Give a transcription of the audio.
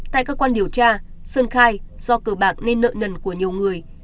tại cơ quan điều tra sơn khai do cờ bạc nên nợ nần của nhiều người